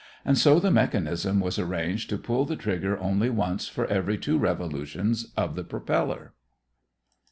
And so the mechanism was arranged to pull the trigger only once for every two revolutions of the propeller.